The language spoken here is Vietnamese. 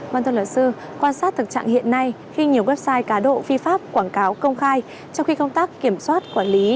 vâng thưa luật sư quan sát thực trạng hiện nay khi nhiều website cá độ phi pháp quảng cáo công khai trong khi công tác kiểm soát quản lý